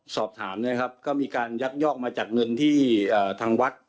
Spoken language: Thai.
สอบถามนะครับก็มีการยักยอกมาจากเงินที่ทางวัด